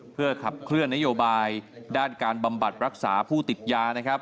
เพื่อขับเคลื่อนนโยบายด้านการบำบัดรักษาผู้ติดยานะครับ